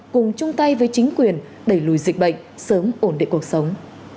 cùng chung tay với chính quyền đẩy lùi dịch bệnh sớm ổn định cuộc sống